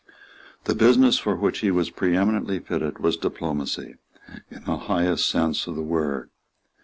The business for which he was preeminently fitted was diplomacy, in the highest sense of the word.